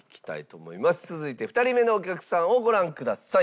続いて２人目のお客さんをご覧ください。